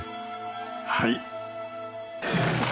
はい。